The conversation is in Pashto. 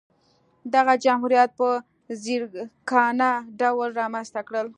دغه جمهوریت په ځیرکانه ډول رامنځته کړل.